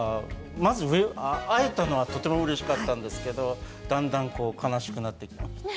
まず会えたのはとてもうれしかったんですけど、だんだん悲しくなってきました。